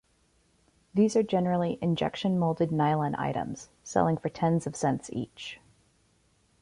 These are generally injection moulded nylon items, selling for tens of cents each.